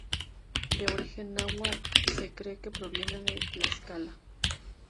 De origen nahua se cree que proviene de Tlaxcala.